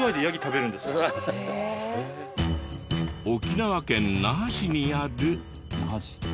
沖縄県那覇市にある。